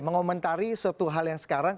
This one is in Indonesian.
mengomentari suatu hal yang sekarang